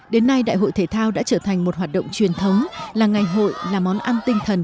đến nay đại hội thể thao đã trở thành một hoạt động truyền thống là ngày hội là món ăn tinh thần